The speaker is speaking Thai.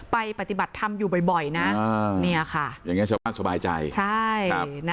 ไปปฏิบัติธรรมอยู่บ่อยนะอย่างงี้จะมาสบายใจ